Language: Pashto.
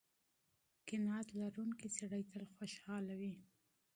قناعت لرونکی سړی تل خوشحاله وي.